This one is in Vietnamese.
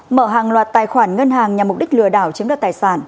mở hàng loạt tài khoản ngân hàng nhằm mục đích lừa đảo chiếm đoạt tài sản